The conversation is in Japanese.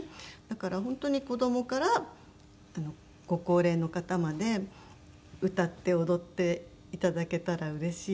だから本当に子どもからご高齢の方まで歌って踊っていただけたらうれしいなと。